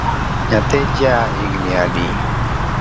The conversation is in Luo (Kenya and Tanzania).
Nyathi ja higa adi?